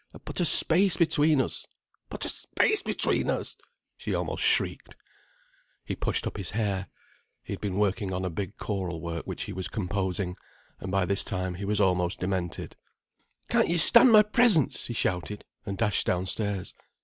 And put a space between us. Put a space between us!" she almost shrieked. He pushed up his hair. He had been working on a big choral work which he was composing, and by this time he was almost demented. "Can't you stand my presence!" he shouted, and dashed downstairs.